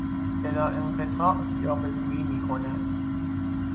بلاانقطاع یاوه گویی میکند.